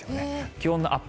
気温のアップ